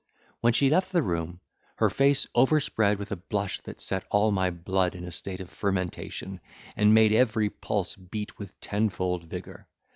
When she left the room, her face overspread with a blush that set all my blood in a state of fermentation, and made every pulse beat with tenfold vigour!